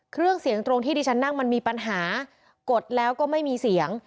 เครื่องเสียงตรงที่ดิฉันนั่งมันมีปัญหากดแล้วก็ไม่มีเสียง